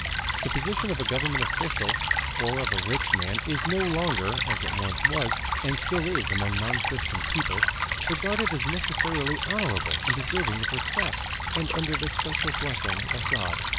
The position of a government official or of a rich man is no longer, as it once was, and still is among non Christian peoples, regarded as necessarily honorable and deserving of respect, and under the special blessing of God.